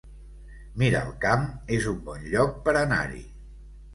Miralcamp es un bon lloc per anar-hi